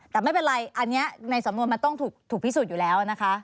แต่ไม่เป็นไรอันนี้ในสำนวนมันต้องถูกพิสูจน์อยู่แล้วนะคะ